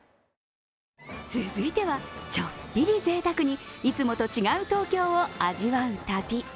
続いては、ちょっぴりぜいたくにいつもと違う東京を味わう旅。